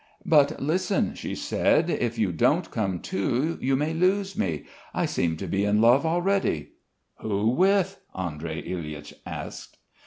"But listen," she said, "if you don't come too, you may lose me. I seem to be in love already." "Who with?" Andrey Ilyitch asked.